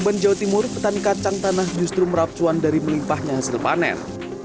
di jawa timur petan kacang tanah justru merapcuan dari melimpahnya hasil panen